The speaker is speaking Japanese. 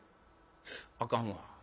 あかんわ。